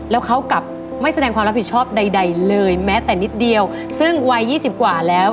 แล้วเขากลับไม่แสดงความรับผิดชอบใดใดเลยแม้แต่นิดเดียวซึ่งวัยยี่สิบกว่าแล้ว